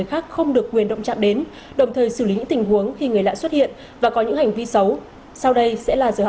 học sinh được nhắc nhở phải luôn ghi nhớ ba điều